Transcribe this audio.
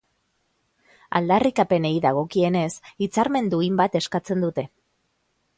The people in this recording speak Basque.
Aldarrikapenei dagokienez, hitzarmen duin bat eskatzen dute.